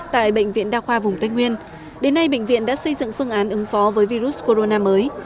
tại bệnh viện đa khoa vùng tây nguyên đến nay bệnh viện đã xây dựng phương án ứng phó với virus corona mới